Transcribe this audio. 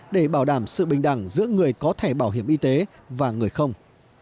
để bảo đảm sự bình đẳng giữa người có thẻ bảo hiểm y tế và người không